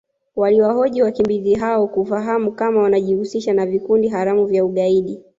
waliwahoji wakimbizi hao kufahamu kama wanajihusisha na vikundi haramu vya ugaidi